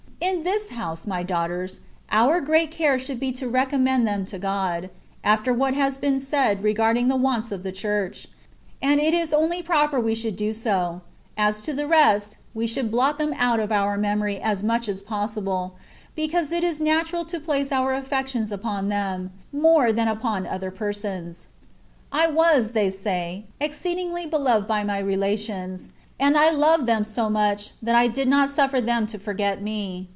In this house, my daughters, our great care should be to recommend them to God (after what has been said regarding the wants of the Church), and it is only proper we should do so : as to the rest, we should blot them out of our memory as much as possible, because it is natural to place our aflfec tions upon them, more than upon other persons. I was (they say) exceedingly beloved by my relations, and I loved them so much, that I did not suffer them to forget me.